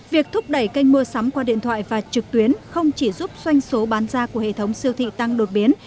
việc thúc đẩy kênh mua sắm qua điện thoại và trực tuyến không chỉ giúp doanh số bán ra của hệ thống siêu thị tăng đột biến